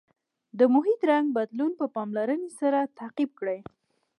د محیط رنګ بدلون په پاملرنې سره تعقیب کړئ.